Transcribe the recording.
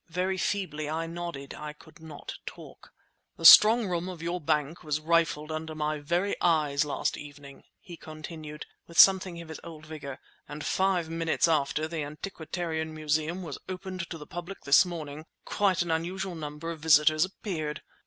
Very feebly I nodded; I could not talk. "The strong room of your bank was rifled under my very eyes last evening!" he continued, with something of his old vigour; "and five minutes after the Antiquarian Museum was opened to the public this morning quite an unusual number of visitors appeared.